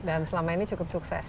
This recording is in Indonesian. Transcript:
dan selama ini cukup sukses